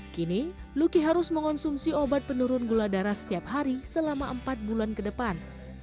kini luki harus mengonsumsi obat penurun gula darah setiap hari selama empat bulan ke depan